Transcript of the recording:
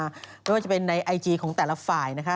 ไม่ว่าจะเป็นในไอจีของแต่ละฝ่ายนะคะ